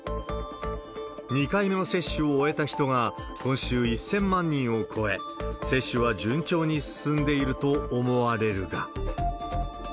２回目の接種を終えた人が今週１０００万人を超え、接種は順調に進んでいると思われるが。